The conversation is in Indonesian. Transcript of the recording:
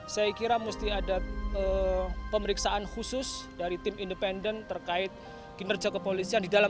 saya kira mesti ada pemeriksaan khusus dari tim independen terkait kinerja kepolisian di dalam